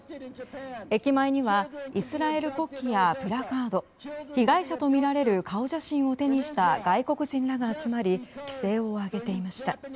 駅前にはイスラエル国旗やプラカード被害者とみられる顔写真を手にした外国人らが集まり気勢を上げていました。